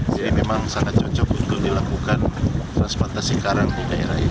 jadi memang sangat cocok untuk dilakukan transplantasi karang di daerah ini